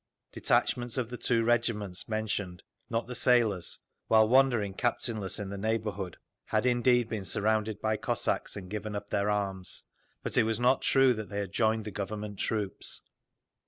Detachments of the two regiments mentioned—not the sailors—while wandering captainless in the neighbourhood, had indeed been surrounded by Cossacks and given up their arms; but it was not true that they had joined the Government troops.